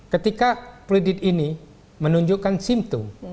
ketika kredit ini menunjukkan simptom